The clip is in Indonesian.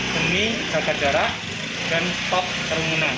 demi jagadara dan top kerumunan